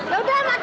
ya udah mati aja